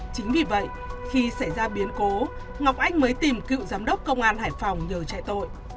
chính vì vậy khi xảy ra biến cố ngọc anh mới tìm cựu giám đốc công an hải phòng nhờ chạy tội